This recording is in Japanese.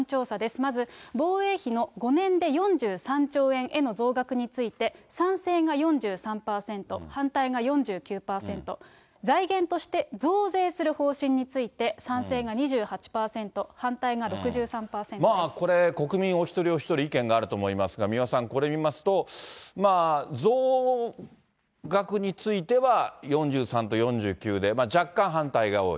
まず、防衛費の５年で４３兆円への増額について、賛成が４３％、反対が４９％、財源として増税する方針について、賛成が２８％、これ、国民お一人お一人、意見があると思いますが、三輪さん、これを見ますと、増額については４３と４９で、若干反対が多い。